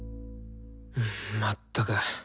まったく。